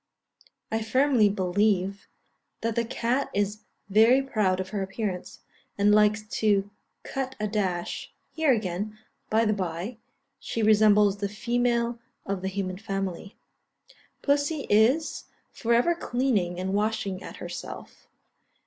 I firmly believe that the cat is very proud of her appearance, and likes to cut a dash here again, by the bye, she resembles the female of the human family. Pussy is for ever cleaning and washing at herself.